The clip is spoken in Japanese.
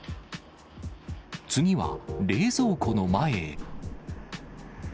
次は冷蔵庫の前へ。